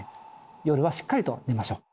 夜はしっかりと寝ましょう。